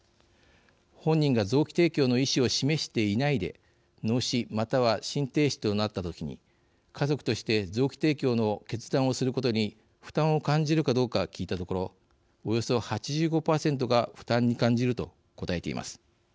本人が臓器提供の意思を示していないで脳死、または心停止となった時に家族として臓器提供の決断をすることに負担を感じるかどうか聞いたところおよそ８５％が負担に感じると答えています。